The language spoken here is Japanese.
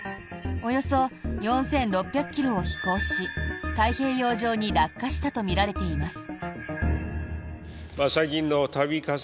およそ４６００ｋｍを飛行し太平洋上に落下したとみられています。